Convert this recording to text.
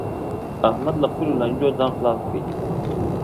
احمد له خپلو لانجو ځان خلاص کړ